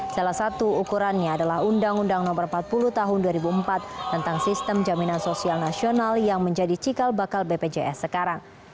salah satu ukurannya adalah undang undang no empat puluh tahun dua ribu empat tentang sistem jaminan sosial nasional yang menjadi cikal bakal bpjs sekarang